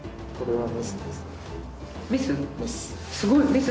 メス？